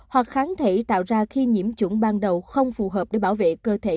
hoặc kháng thể tạo ra khi nhiễm chủng ban đầu không phù hợp để bảo vệ cơ thể